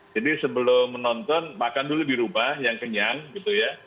jadi sebelum menonton makan dulu di rumah yang kenyang gitu ya